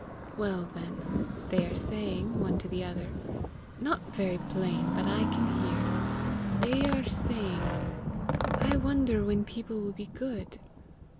"Well then, they are saying, one to the other not very plain, but I can hear they are saying, 'I wonder when people will be good!